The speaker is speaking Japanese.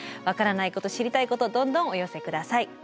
分からないこと知りたいことどんどんお寄せ下さい。